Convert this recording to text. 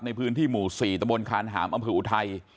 ในพื้นที่หมู่๔ตะบนคานหามอำเภออุทัย